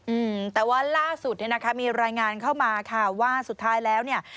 อืมแต่ว่าล่าสุดเนี้ยนะคะมีรายงานเข้ามาค่ะว่าสุดท้ายแล้วเนี่ย